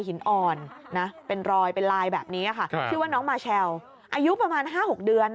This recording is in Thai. หินอ่อนนะเป็นรอยเป็นลายแบบนี้ค่ะชื่อว่าน้องมาเชลอายุประมาณ๕๖เดือน